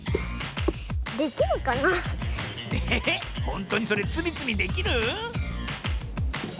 ほんとにそれつみつみできる？